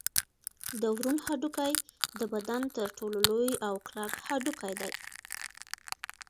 د ورون هډوکی د بدن تر ټولو لوی او کلک هډوکی دی